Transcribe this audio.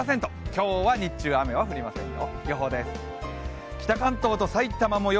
今日は日中、雨は降りませんよ。